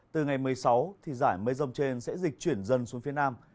từ ngày một mươi sáu thì giải mây rông trên sẽ dịch chuyển dần xuống phía nam